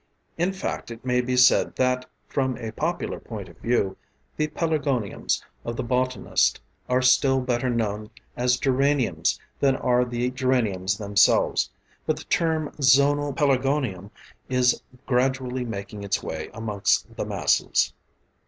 In fact it may be said that, from a popular point of view, the pelargoniums of the botanist are still better known as geraniums than are the geraniums themselves, but the term "zonal Pelargonium" is gradually making its way amongst the masses.